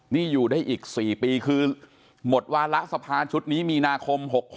นี่อยู่ได้อีก๔ปีคือหมดวาระสภาชุดนี้มีนาคม๖๖